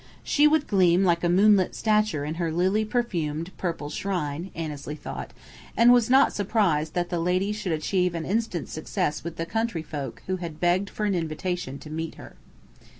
She would gleam like a moonlit statue in her lily perfumed, purple shrine, Annesley thought, and was not surprised that the lady should achieve an instant success with the county folk who had begged for an invitation to meet her.